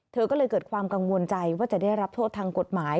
เธอก็เลยเกิดความกังวลใจว่าจะได้รับโทษทางกฎหมาย